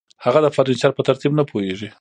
هغه د فرنیچر په ترتیب نه پوهیږي